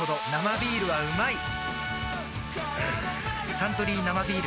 「サントリー生ビール」